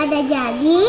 apa udah jadi